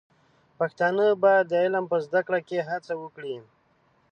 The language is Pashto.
پښتانه بايد د علم په زده کړه کې هڅه وکړي.